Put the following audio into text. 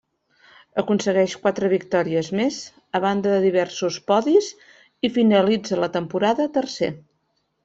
Aconsegueix quatre victòries més, a banda de diversos podis i finalitza la temporada tercer.